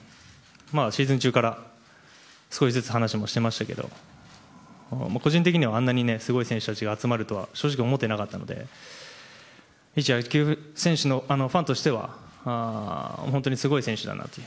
シーズン中も少しずつ話もしていましたが個人的には、あんなにすごい選手たちが集まるとは正直思っていなかったので一野球ファンとしては本当にすごい選手だなと。